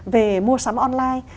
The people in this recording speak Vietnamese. về mua sắm online